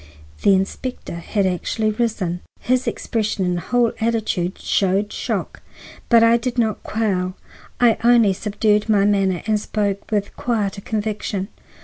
The inspector had actually risen. His expression and whole attitude showed shock. But I did not quail; I only subdued my manner and spoke with quieter conviction.